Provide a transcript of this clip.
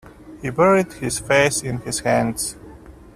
He buried his face in his hands.